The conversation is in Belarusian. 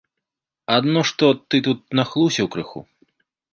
Адно што ты тут нахлусіў крыху.